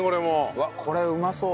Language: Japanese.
うわっこれうまそう。